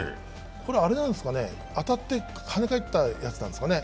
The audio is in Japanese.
これ、当たって跳ね返ったやつなんですかね？